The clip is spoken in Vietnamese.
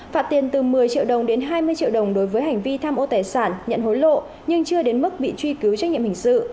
phạt tiền từ một mươi triệu đồng đến hai mươi triệu đồng đối với hành vi tham ô tài sản nhận hối lộ nhưng chưa đến mức bị truy cứu trách nhiệm hình sự